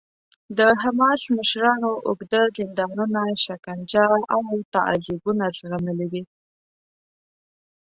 د حماس مشرانو اوږده زندانونه، شکنجه او تعذیبونه زغملي دي.